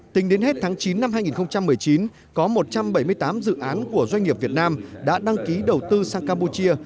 tính đến hết tháng chín năm hai nghìn một mươi chín có một trăm bảy mươi tám dự án của doanh nghiệp việt nam đã đăng ký đầu tư sang campuchia